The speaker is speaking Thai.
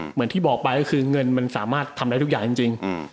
เหมือนที่บอกไปก็คือเงินมันสามารถทำได้ทุกอย่างจริง